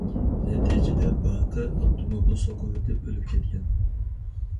نەتىجىدە، باقى ئاپتوموبىل سوقۇۋېتىپ ئۆلۈپ كەتكەن.